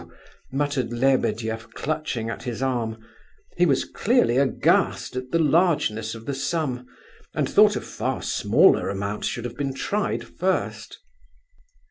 muttered Lebedeff, clutching at his arm. He was clearly aghast at the largeness of the sum, and thought a far smaller amount should have been tried first.